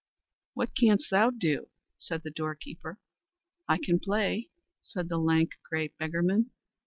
"What canst thou do?" said the doorkeeper. "I can play," said the lank, grey beggarman.